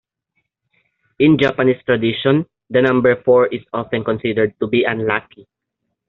In Japanese tradition, the number four is often considered to be unlucky